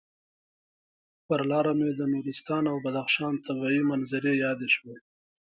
پر لاره مې د نورستان او بدخشان طبعي منظرې یادې شوې.